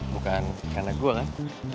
bukan karena gue kan